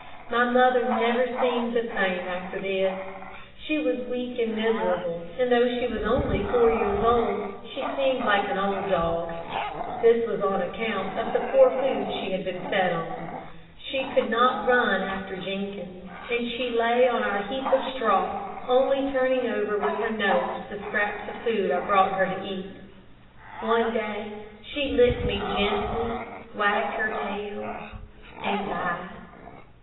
My mother never seemed the same after this. She was weak and miserable, and though she was only four years old, she seemed like an old dog. This was on account of the poor food she had been fed on. She could not run after Jenkins, and she lay on our heap of straw, only turning over with her nose the scraps of food I brought her to eat. One day she licked me gently, wagged her tail, and died.